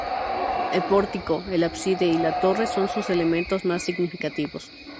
El pórtico, el ábside y la torre, son sus elementos más significativos.